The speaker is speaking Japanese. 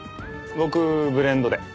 僕ブレンドで。